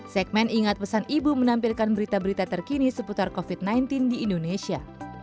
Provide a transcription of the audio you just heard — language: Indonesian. segmen ingat pesan ibu menampilkan berita berita terkini seputar covid sembilan belas di indonesia